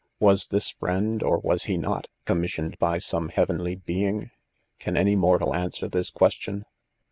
Was. this friend, or was he not, commissioned by some hea venly being ? Can any mortal answer this question